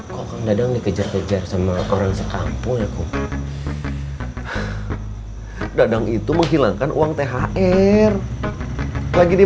kum kang dadang dikejar kejar sama orang sekampung ya kum dadang itu menghilangkan uang thr lagi dia